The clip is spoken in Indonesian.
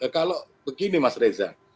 kalau begini mas reza